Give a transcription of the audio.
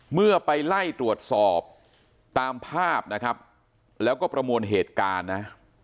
เมื่อไปไล่ตรวจสอบตามภาพนะครับแล้วก็ประมวลเหตุการณ์นะ